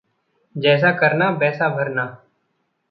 जैसा करना वैसा भरना।